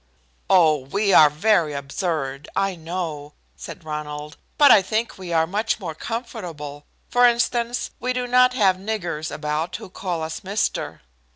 "Oh, we are very absurd, I know," said Ronald, "but I think we are much more comfortable. For instance, we do not have niggers about who call us 'Mister.'"